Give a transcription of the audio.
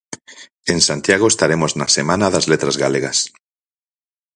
En Santiago estaremos na semana das Letras Galegas.